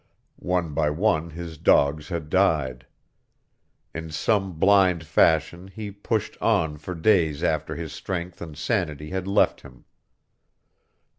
One by one his dogs had died. In some blind fashion he pushed on for days after his strength and sanity had left him.